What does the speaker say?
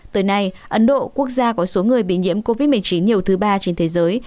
tới nay ấn độ quốc gia có số người bị nhiễm covid một mươi chín nhiều thứ ba trên thế giới